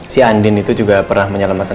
si andin itu juga pernah menyelamatkan